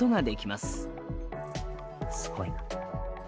すごいな。